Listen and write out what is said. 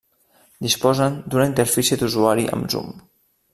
Disposen d'una interfície d'usuari amb zoom.